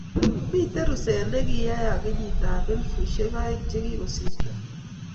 miten ruset negiyayak kenyitab elubushek aek chegigosirto